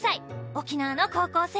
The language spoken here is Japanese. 沖縄の高校生。